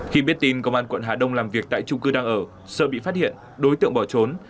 khi biết tin công an quận hà đông làm việc tại trung cư đang ở sợ bị phát hiện đối tượng bỏ trốn